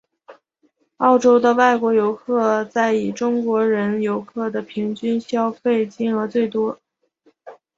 澳洲的外国游客在以中国人游客的平均消费金额最多。